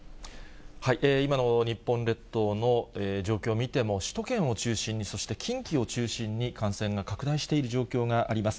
今の日本列島の状況を見ても、首都圏を中心に、そして近畿を中心に感染が拡大している状況があります。